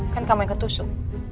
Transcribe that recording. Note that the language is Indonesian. kan kamu yang ketusuk